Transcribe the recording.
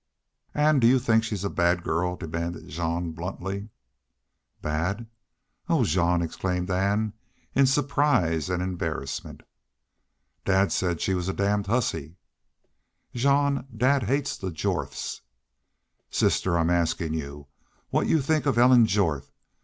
"Ann, do you think she's a bad girl?" demanded Jean, bluntly. "Bad? Oh, Jean!" exclaimed Ann, in surprise and embarrassment. "Dad said she was a damned hussy." "Jean, dad hates the Jorths." "Sister, I'm askin' you what you think of Ellen Jorth.